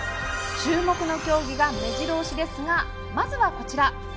注目の競技が目白押しですがまずはこちら。